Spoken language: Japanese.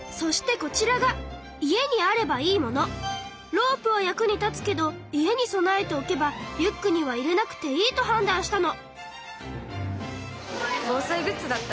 ロープは役に立つけど家に備えておけばリュックには入れなくていいと判断したの。